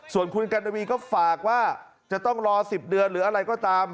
ส่วนคุณกัณฑวีก็ฝากว่าจะต้องรอ๑๐เดือนหรืออะไรก็ตาม